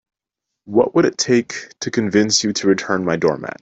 What would it take to convince you to return my doormat?